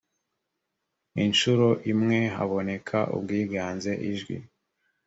inshuro imwe haboneka ubwiganze ijwi